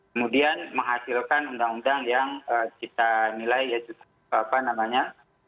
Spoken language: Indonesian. kemudian menghasilkan undang undang yang kita nilai ya apa namanya